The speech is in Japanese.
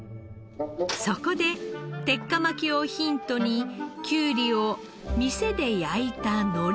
そこで鉄火巻きをヒントにきゅうりを店で焼いたのりで巻く事に。